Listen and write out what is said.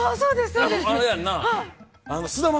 あれやな？